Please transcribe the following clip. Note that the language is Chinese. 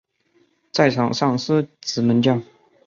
在场上司职门将。